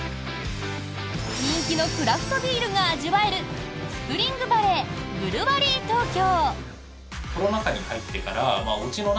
人気のクラフトビールが味わえるスプリングバレーブルワリー東京。